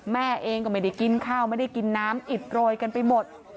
แม่เองก็ไม่ได้กินข้าวไม่ได้กินน้ำอิดโรยกันไปหมด